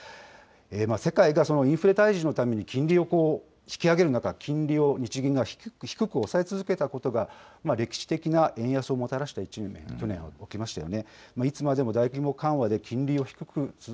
世界がそのインフレ退治のために金利を引き上げる中、金利を日銀が低く抑え続けたことが、歴史的な円安をもたらした、去年起きましたよね。